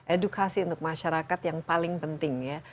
edukasi untuk masyarakat yang paling penting ya